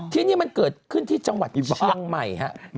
ที่นี่มันเกิดขึ้นที่จังหวัดวังใหม่ฮะ